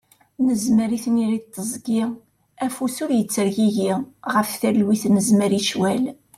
Nezmer i tniri d tiẓgi, afus ur ittergigi, ɣef talwit nezmer i ccwal.